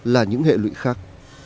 là những hệ lụy khác